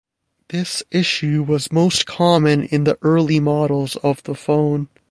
This issue was most common in the early models of the phone.